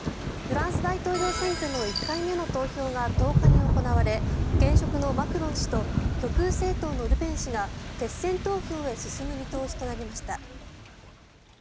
フランス大統領選挙の１回目の投票が１０日に行われ現職のマクロン氏と極右政党のルペン氏が決選投票へ進む見通しとなりました。